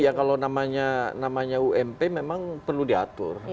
ya kalau namanya ump memang perlu diatur